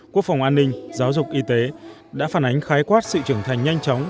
quốc phòng an ninh giáo dục y tế đã phản ánh khái quát sự trưởng thành nhanh chóng